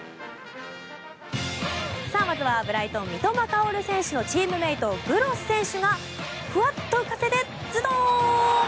まずはブライトン三笘薫選手のチームメートグロス選手がふわっと浮かせて、ズドーン！